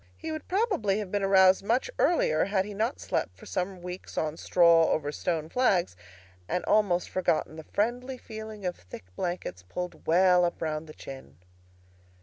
He would probably have been aroused much earlier, had he not slept for some weeks on straw over stone flags, and almost forgotten the friendly feeling of thick blankets pulled well up round the chin.